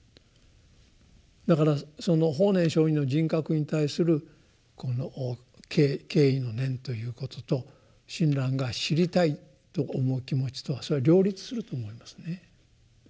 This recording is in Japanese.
だからその法然上人の人格に対するこの敬意の念ということと親鸞が知りたいと思う気持ちとはそれは両立すると思いますね。